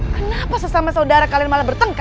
kenapa sesama saudara kalian malah bertengkar